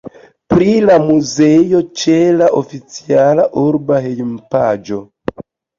Pri la muzeo ĉe la oficiala urba hejmpaĝo.